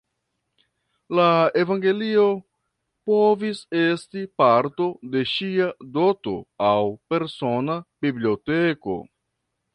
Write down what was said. La Evangelio povis esti parto de ŝia doto aŭ persona biblioteko.